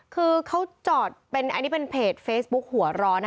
คือเขาจอดเป็นอันนี้เป็นเพจเฟซบุ๊กหัวร้อน